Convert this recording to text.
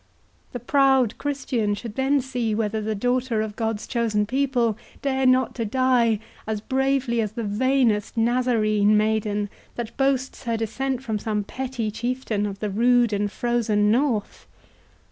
The proud Christian should then see whether the daughter of God's chosen people dared not to die as bravely as the vainest Nazarene maiden, that boasts her descent from some petty chieftain of the rude and frozen north!"